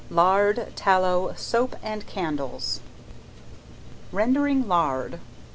LARD, TALLOW, SOAP AND CANDLES. Rendering Lard.